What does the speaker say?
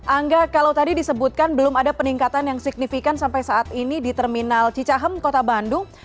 angga kalau tadi disebutkan belum ada peningkatan yang signifikan sampai saat ini di terminal cicahem kota bandung